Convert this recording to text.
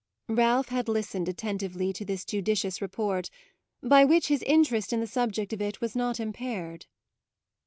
Ralph had listened attentively to this judicious report, by which his interest in the subject of it was not impaired.